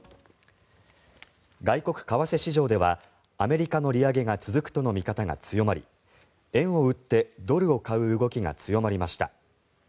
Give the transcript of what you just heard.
外国為替市場はアメリカの利上げが続くとの見方が強まり円を売ってドルを買う動きが強まりました。